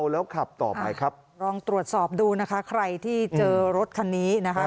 ลองตรวจสอบดูนะคะใครที่เจอรถคันนี้นะคะ